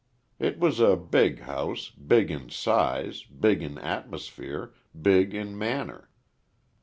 It was a big house big in size big in atmosphere big in manner.